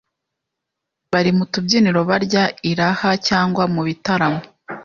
bari mutubyiniro barya iraha cyangwa mu bitaramo.